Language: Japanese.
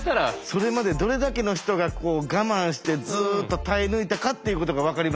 それまでどれだけの人が我慢してずっと耐え抜いたかっていうことが分かりますね。